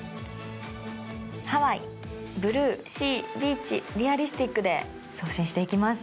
「ハワイブルーシービーチリアリスティック」で送信していきます。